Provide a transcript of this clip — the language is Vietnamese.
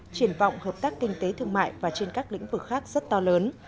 triển vọng hợp tác kinh tế thương mại và trên các lĩnh vực khác rất to lớn